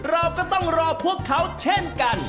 เราก็ต้องรอพวกเขาเช่นกัน